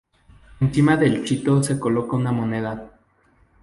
Encima del chito se coloca una moneda.